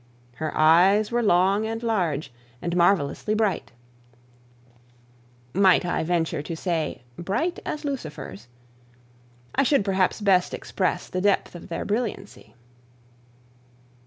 Her eyes were long and large, and marvellously bright; might I venture to say, bright as Lucifer's, I should perhaps best express the depth of their brilliancy.